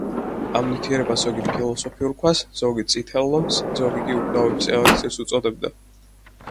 ამ ნივთიერებას ზოგი „ფილოსოფიურ ქვას“, ზოგი „წითელ ლომს“, ზოგი კი „უკვდავების ელექსირს“ უწოდებდა.